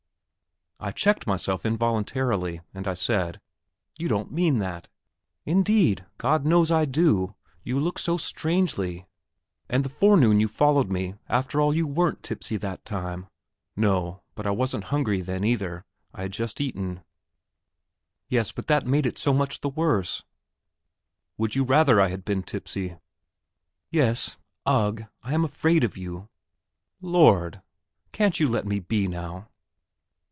I checked myself involuntarily, and I said: "You don't mean that!" "Indeed, God knows I do! you look so strangely. And the forenoon you followed me after all, you weren't tipsy that time?" "No; but I wasn't hungry then, either; I had just eaten...." "Yes; but that made it so much the worse." "Would you rather I had been tipsy?" "Yes ... ugh ... I am afraid of you! Lord, can't you let me be now!"